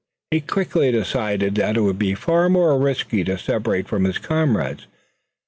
He quickly decided that it would be far more risky to separate from his comrades.